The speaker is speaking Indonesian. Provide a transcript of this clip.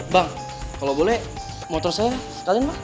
bang kalau boleh motor saya sekalian bang